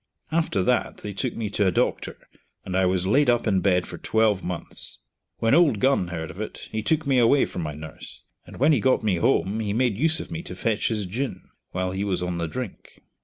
After that they took me to a doctor, and I was laid up in bed for twelve months. When Old Gun heard of it, he took me away from my nurse, and when he got me home he made use of me to fetch his gin, while he was on the drink.